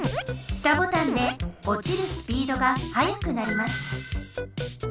下ボタンでおちるスピードがはやくなります。